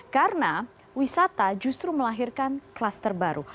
karena wisata justru melahirkan kluster baru